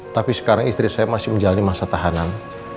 tapi sekarang istri saya masih menjalani masa tahanan